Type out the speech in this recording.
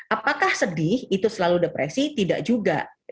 apakah sedih itu selalu depresi tidak juga